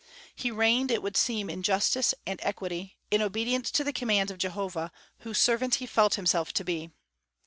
He reigned, it would seem, in justice and equity, and in obedience to the commands of Jehovah, whose servant he felt himself to be.